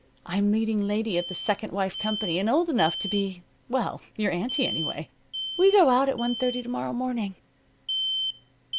I'm leading lady of the 'Second Wife' company and old enough to be well, your aunty, anyway. We go out at one thirty to morrow morning."